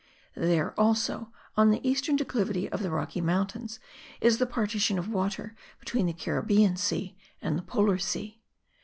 There, also, on the eastern declivity of the Rocky Mountains, is the partition of water between the Caribbean Sea and the Polar Sea.